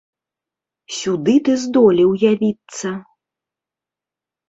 Сюды ты здолеў явіцца.